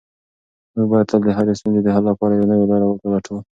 موږ باید تل د هرې ستونزې د حل لپاره یوه نوې لاره ولټوو.